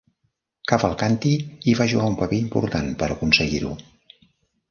Cavalcanti hi va jugar un paper important per aconseguir-ho.